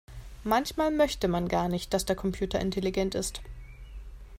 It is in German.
Manchmal möchte man gar nicht, dass der Computer intelligent ist.